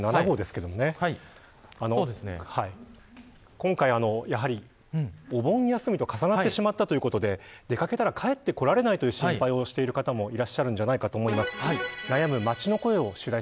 今回お盆休みと重なってしまったということで出掛けたら帰ってこれないという心配をしている方もいらっしゃると思います。